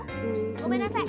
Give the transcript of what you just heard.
ごめんなさい。